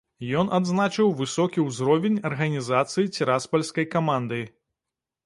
Ён адзначыў высокі ўзровень арганізацыі ціраспальскай каманды.